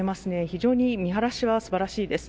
非常に見晴らしは素晴らしいです。